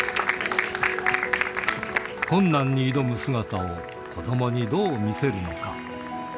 困難に挑む姿を子どもにどう見せるのか。